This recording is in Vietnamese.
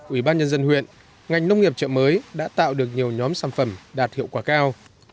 ủy ban nhân dân huyện ngành nông nghiệp chợ mới đã tạo được nhiều nhóm sản phẩm đạt hiệu quả cao